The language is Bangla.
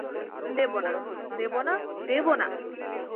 দেবো না, দেবো না, দেবো না!